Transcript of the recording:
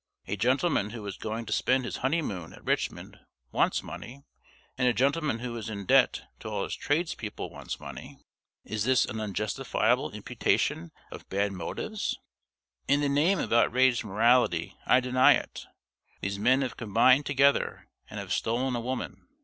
A gentleman who is going to spend his honeymoon at Richmond wants money; and a gentleman who is in debt to all his tradespeople wants money. Is this an unjustifiable imputation of bad motives? In the name of outraged Morality, I deny it. These men have combined together, and have stolen a woman.